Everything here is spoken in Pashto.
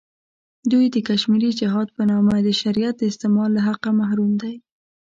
دوی د کشمیري جهاد په نامه د شریعت د استعمال له حقه محروم دی.